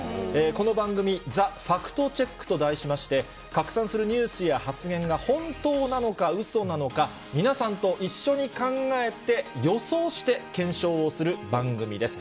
この番組、ザ・ファクトチェックと題しまして、拡散するニュースや発言が本当なのかうそなのか、皆さんと一緒に考えて、予想して、検証をする番組です。